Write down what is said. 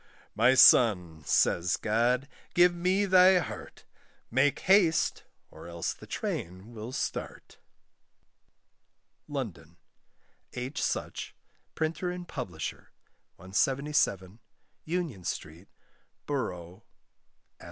"My son," says God, "give me thy heart, Make haste, or else the train will start." LONDON: H. Such, Printer and Publisher, 177, Union Street, Boro'. S.E.